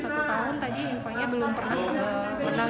sebelumnya selama tiga puluh satu tahun tadi infonya belum pernah menang